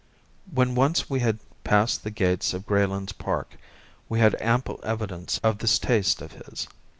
When once we had passed the gates of Greylands Park we had ample evidence of this taste of his.